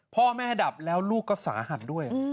พ่อแม่ดับแล้วลูกก็สาหัสด้วย